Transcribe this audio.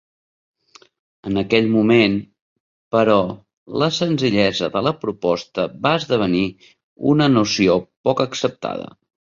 En aquell moment, però, la senzillesa de la proposta va esdevenir una noció poc acceptada.